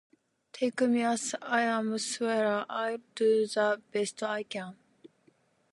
Take me as I am swear I'll do the best I can